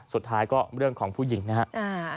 สุดท้ายก็เรื่องของผู้หญิงนะครับ